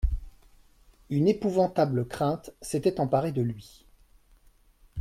Une épouvantable crainte s'était emparée de lui.